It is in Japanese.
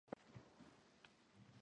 タンゴ